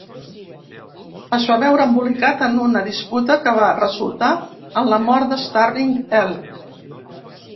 Es va veure embolicat en una disputa que va resultar en la mort de Starving Elk.